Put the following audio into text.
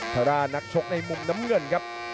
ทางด้านนักชกในมุมน้ำเงินครับ